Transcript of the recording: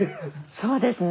そうですね。